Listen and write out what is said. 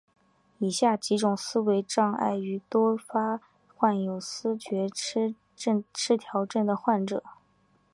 以上几种思维障碍多发于患有思觉失调症的患者。